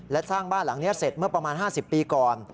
และสร้างบ้านหลังนี้เสร็จเมื่อประมาณ๕๐ปีก่อน